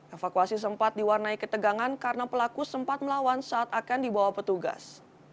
evakuasi sempat diwarnai ketegangan karena pelaku sempat melawan saat akan dibawa petugas